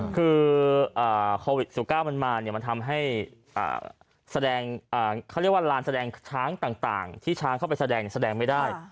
คือโควิด๑๙มาทำให้แสดงช้างต่างที่ช้างเข้าไปแสดงแสดงไม่ได้